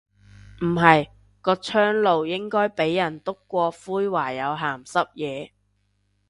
唔係，個窗爐應該俾人篤過灰話有鹹濕野。